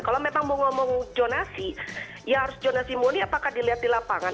kalau memang mau ngomong jonasi ya harus zonasi murni apakah dilihat di lapangan